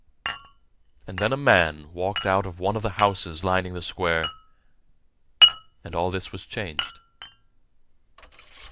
And then a man walked out of one of the houses lining the square, and all this was changed.